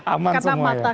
aman semua ya